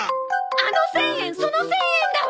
あの１０００円その１０００円だわ！